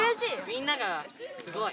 みんながすごい。